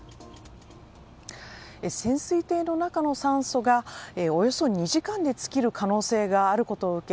潜水艇の中の酸素がおよそ２時間で尽きる可能性があることを受け